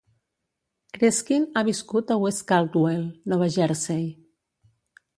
Kreskin ha viscut a West Caldwell, Nova Jersey.